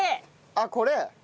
あっこれ？